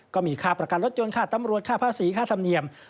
ก็มีค่าประกันรถยนต์ค่าตำรวจค่าภาษีค่าธรรมเนียม